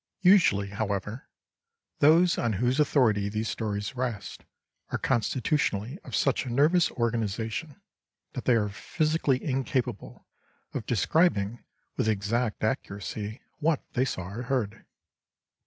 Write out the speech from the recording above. Usually, however, those on whose authority these stories rest, are constitutionally of such a nervous organisation that they are physically incapable of describing with exact accuracy what they saw or heard.